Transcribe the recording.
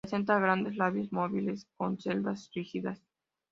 Presenta grandes labios móviles con cerdas rígidas.